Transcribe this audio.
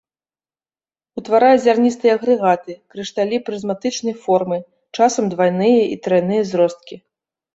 Утварае зярністыя агрэгаты, крышталі прызматычнай формы, часам двайныя і трайныя зросткі.